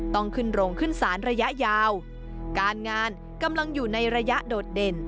ต้องขึ้นโรงขึ้นศาลระยะยาวการงานกำลังอยู่ในระยะโดดเด่น